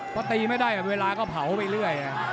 พอตีไม่ได้เวลาก็เผาไปเรื่อย